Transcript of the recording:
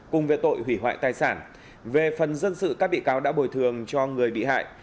các bị cáo đã bồi thường cho người bị hại